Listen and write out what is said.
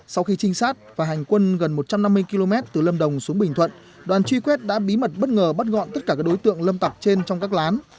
sau khi trinh sát và hành quân gần một trăm năm mươi km từ lâm đồng xuống bình thuận đoàn truy quét đã bí mật bất ngờ bắt gọn tất cả các đối tượng lâm tặc trên trong các lán